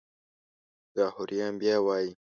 لاهوریان بیا وایي.